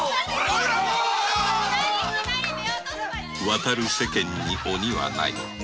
渡る世間に鬼はない。